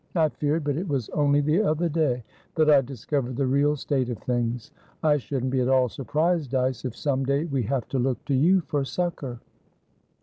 I feared; but it was only the other day that I discovered the real state of things. I shouldn't be at all surprised, Dyce, if some day we have to look to you for succour."